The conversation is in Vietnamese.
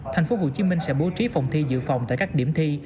thành phố hồ chí minh sẽ bố trí phòng thi dự phòng tại các điểm thi